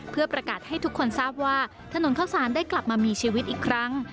เพื่อประกาศให้ทุกคนทราบว่าถนนเข้าสารได้กลับมามีชีวิตอีกครั้ง